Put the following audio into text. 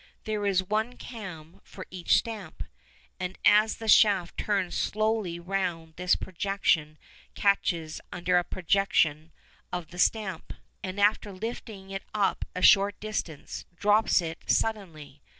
There is one cam for each stamp, and as the shaft turns slowly round this projection catches under a projection on the stamp, and after lifting it up a short distance drops it suddenly.